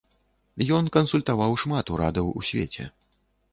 Ён кансультаваў шмат урадаў у свеце.